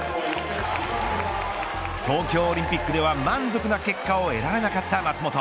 東京オリンピックでは、満足な結果を得られなかった松元